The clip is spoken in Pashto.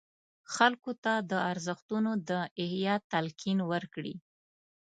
خلکو ته د ارزښتونو د احیا تلقین ورکړي.